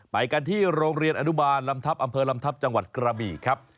ไปกันที่โรงเรียนอนุบาลลำทัพอำเภอลำทัพจังหวัดกระบี่ครับ